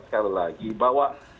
sekali lagi bahwa